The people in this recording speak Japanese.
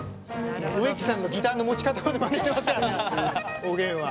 植木さんのギターの持ち方をまねしておげんは。